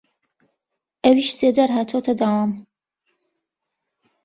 ئەویش سێ جار هاتووەتە داوام